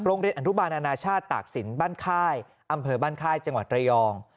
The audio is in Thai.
โรงเรียนอันทุบาลอนาชาติตากสินบ้านค่ายอำเภอบ้านค่ายจังหวัดระยอง